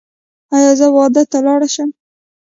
ایا زه واده ته لاړ شم؟